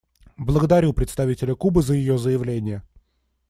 Благодарю представителя Кубы за ее заявление.